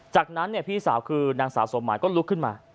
จากนั้นพี่สาวคือนางสาวสมหมายก็ลุกขึ้นมา